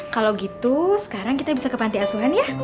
kalau gitu sekarang kita bisa ke panti asuhan ya